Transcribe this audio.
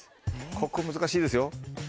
ここ難しいですよ。